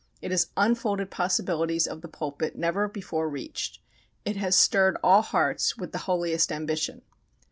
It has unfolded possibilities of the pulpit never before reached. It has stirred all hearts with the holiest ambition."